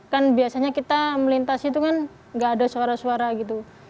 kan biasanya kita melintas itu kan gak ada suara suara gitu